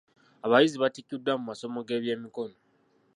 Abayizi baatikkiddwa mu masomo g'eby'emikono.